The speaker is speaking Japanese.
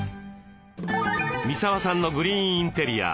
三沢さんのグリーンインテリア。